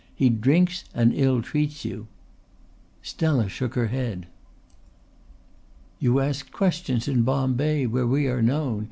"He drinks and ill treats you." Stella shook her head. "You asked questions in Bombay where we are known.